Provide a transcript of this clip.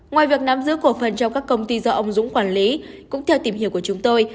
ngoài việc nắm giữ cổ phần trong các công ty do ông dũng quản lý cũng theo tìm hiểu của chúng tôi